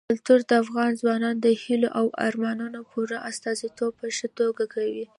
کلتور د افغان ځوانانو د هیلو او ارمانونو پوره استازیتوب په ښه توګه کوي.